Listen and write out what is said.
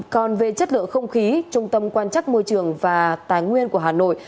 còn về chất lượng không khí trung tâm quan chắc môi trường và tài nguyên của hà nội